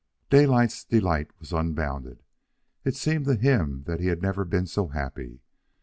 Daylight's delight was unbounded. It seemed to him that he had never been so happy.